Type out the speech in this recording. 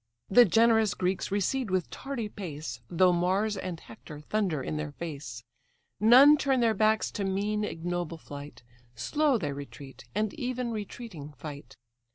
The generous Greeks recede with tardy pace, Though Mars and Hector thunder in their face; None turn their backs to mean ignoble flight, Slow they retreat, and even retreating fight.